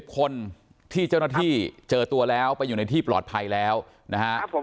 คนที่เจ้าหน้าที่เจอตัวแล้วไปอยู่ในที่ปลอดภัยแล้วนะฮะ